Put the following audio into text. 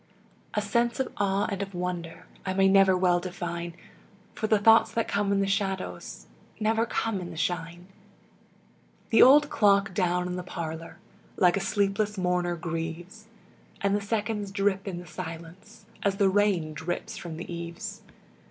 A sense of awe and of wonder I may never well define, For the thoughts that come in the shadows Never come in the shine. The old clock down in the parlor Like a sleepless mourner grieves, And the seconds drip in the silence As the rain drips from the eaves.